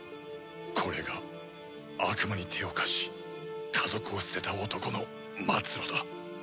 これが悪魔に手を貸し家族を捨てた男の末路だ。